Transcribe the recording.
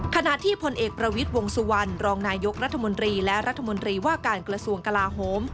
ขณะที่พลเอกประวิทย์วงสุวรรณรองนายกรัฐมนตรีและรัฐมนตรีว่าการกระทรวงกลาโฮม